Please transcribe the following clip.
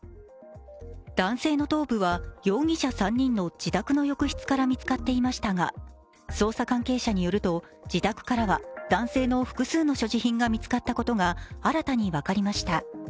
男性の頭部は容疑者３人の自宅の浴室から見つかっていましたが捜査関係者によると自宅からは男性の複数の所持品が見つかったことが新たに分かりました。